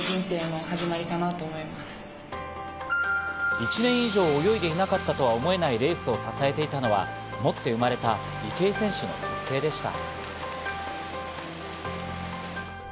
１年以上泳いでいなかったと思えないレースを支えていたのは持って生まれた池江選手の特性でした。